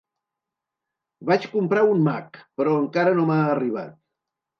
Vaig comprar un Mac però encara no m'ha arribat.